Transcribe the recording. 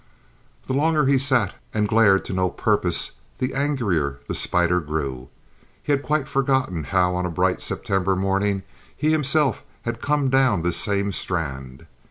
The longer he sat and glared to no purpose, the angrier the spider grew. He had quite forgotten how on a bright September morning he himself had come down this same strand.